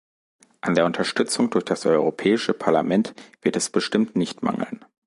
An der Unterstützung durch das Europäische Parlament wird es bestimmt nicht mangeln.